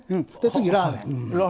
次、ラーメン。